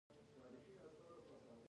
ستا ډېر وخت نه کیږي چي یو تورن یې.